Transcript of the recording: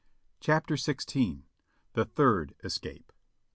CHAPTER XVI. THE THIRD ESCAPE.